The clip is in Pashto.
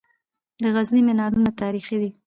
د غزني منارونه تاریخي دي